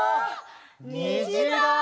にじだ！